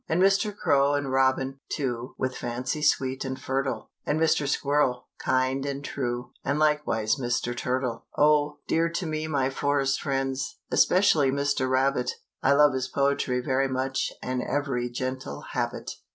And Mr. Crow and Robin, too, With fancy sweet and fertile, And Mr. Squirrel, kind and true, And likewise Mr. Turtle. Oh, dear to me my forest friends, Especially Mr. Rabbit I love his poetry very much And every gentle habit.